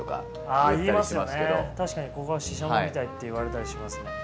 確かにここシシャモみたいって言われたりしますね。